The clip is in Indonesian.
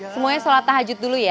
semuanya sholat tahajud dulu ya